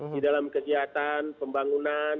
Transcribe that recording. di dalam kegiatan pembangunan